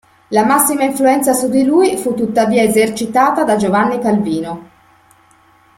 La massima influenza su di lui fu tuttavia esercitata da Giovanni Calvino.